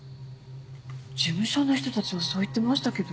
事務所の人たちはそう言ってましたけど。